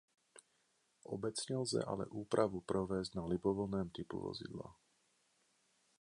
Obecně lze ale úpravu provést na libovolném typu vozidla.